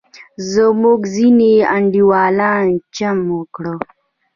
زموږ ځینې انډیوالان چم وکړ.